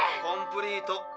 コンプリート。